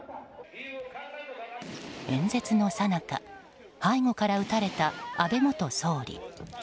演説のさなか、背後から撃たれた安倍元総理。